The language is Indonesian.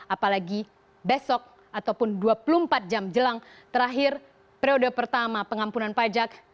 apalagi besok ataupun dua puluh empat jam jelang terakhir periode pertama pengampunan pajak